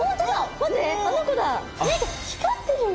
待ってあの子だ！